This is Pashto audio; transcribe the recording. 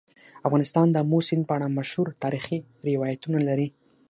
افغانستان د آمو سیند په اړه مشهور تاریخی روایتونه لري.